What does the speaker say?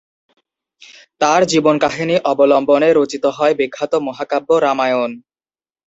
তাঁর জীবনকাহিনী অবলম্বনে রচিত হয় বিখ্যাত মহাকাব্য রামায়ণ।